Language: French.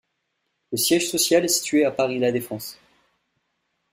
Le siège social est situé à Paris-La Défense.